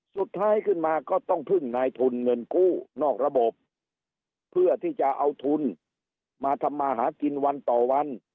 สุดท้ายขึ้นมาก็ต้องพึ่งนายทุนเงินกู้นอกระบบเพื่อที่จะเอาทุนมาทำมาหากินวันต่อวัน